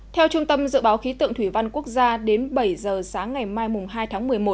theo trung tâm dự báo khí tượng thủy văn quốc gia đến bảy giờ sáng ngày mai hai tháng một mươi một